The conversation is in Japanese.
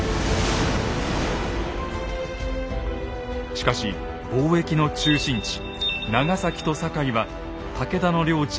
しかし貿易の中心地長崎と堺は武田の領地のはるかかなた。